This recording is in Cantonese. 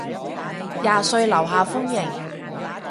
廿歲樓下歡迎